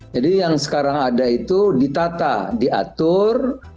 jadi yang sekarang ada itu ditata diatur